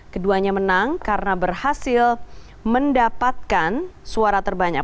keduanya menang karena berhasil mendapatkan suara terbanyak